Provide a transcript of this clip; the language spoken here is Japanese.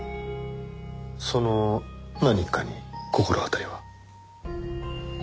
その何かに心当たりは？